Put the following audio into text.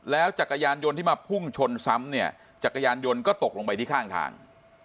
จักรยานยนต์ที่มาพุ่งชนซ้ำเนี่ยจักรยานยนต์ก็ตกลงไปที่ข้างทาง